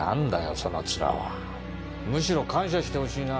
その面はむしろ感謝してほしいな